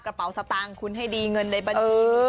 กระเป๋าสตางค์คุณให้ดีเงินในบัญชี